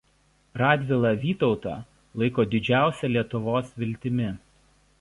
Radvila Vytautą laiko didžiausia Lietuvos viltimi.